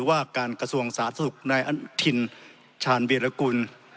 ว่าการกระทรวงสาธารณสุขนายอนุทินชาญวีรกุล